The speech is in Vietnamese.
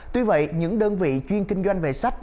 tuy vậy những đơn vị chuyên kinh doanh về sách